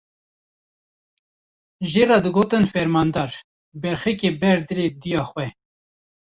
Jê re digotin fermandar, berxikê ber dilê dêya xwe.